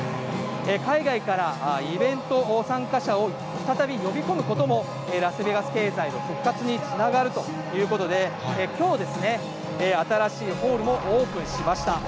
海外からイベント参加者を再び呼び込むことも、ラスベガス経済の復活につながるということで、きょう、新しいホールもオープンしました。